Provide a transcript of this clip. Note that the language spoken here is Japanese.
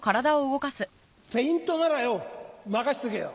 フェイントならよ任せとけよ！